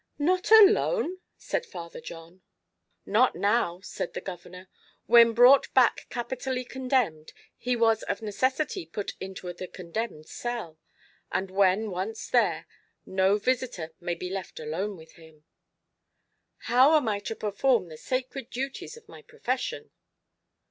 "Not alone!" said Father John. "Not now," said the governor. "When brought back capitally condemned, he was of necessity put into the condemned cell; and when once there, no visitor may be left alone with him." "How is he to receive how am I to perform the sacred duties of my profession?"